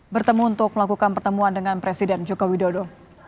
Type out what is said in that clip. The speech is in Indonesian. bertemu untuk melakukan pertemuan dengan presiden joko widodo